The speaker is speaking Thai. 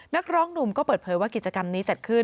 นักร้องหนุ่มก็เปิดเผยว่ากิจกรรมนี้จัดขึ้น